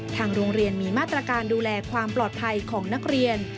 ทางโรงเรียนมีมาตรการดูแลความปลอดภัยของนักเรียน